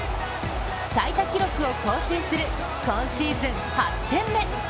最多記録を更新する今シーズン８点目。